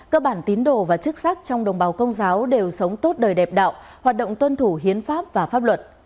cơ bản tín đồ và chức sắc trong đồng bào công giáo đều sống tốt đời đẹp đạo hoạt động tuân thủ hiến pháp và pháp luật